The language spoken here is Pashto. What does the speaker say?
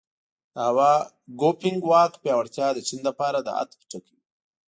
د هوا ګوفینګ واک پیاوړتیا د چین لپاره د عطف ټکی و.